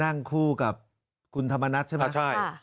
นั่งคู่กับคุณธรรมนัฐใช่ไหมใช่